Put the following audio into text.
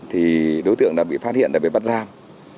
thì đối tượng đã bị phát hiện đã bị bắt giam